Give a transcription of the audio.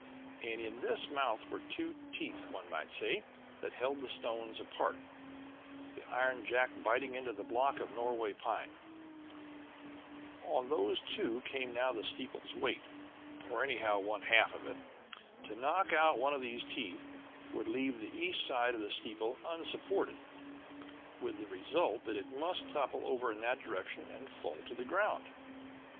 And in this mouth were two teeth, one might say, that held the stone jaws apart, the iron jack biting into the block of Norway pine. On those two now came the steeple's weight, or, anyhow, one half of it. To knock out one of these teeth would be to leave the east side of the steeple unsupported, with the result that it must topple over in that direction and fall to the ground.